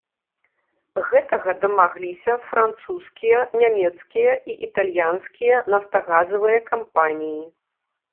Гэтага дамагліся французскія, нямецкія і італьянскія нафтагазавыя кампаніі.